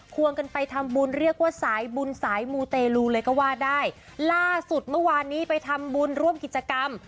วงกันไปทำบุญเรียกว่าสายบุญสายมูเตลูเลยก็ว่าได้ล่าสุดเมื่อวานนี้ไปทำบุญร่วมกิจกรรม